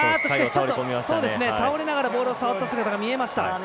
倒れながらボールを触った姿が見えました。